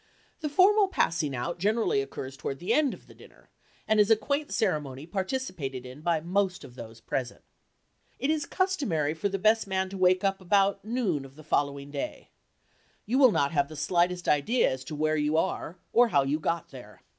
The formal passing out generally occurs toward the end of the dinner, and is a quaint ceremony participated in by most of those present. It is customary for the best man to wake up about noon of the following day. You will not have the slightest idea as to where you are or how you got there.